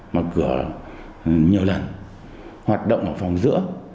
mở cửa nhiều lần hoạt động ở phòng giữa